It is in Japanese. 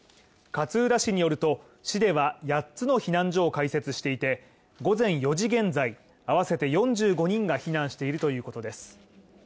勝浦市によると、市では、八つの避難所を開設していて、午前４時現在合わせて４５人が避難しているということです。